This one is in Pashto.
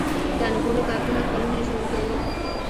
• د انګورو تاکونه کلونه ژوند کوي.